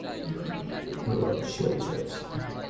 আমরা না বুঝে ধোঁয়ার শেল ছুঁড়েছি।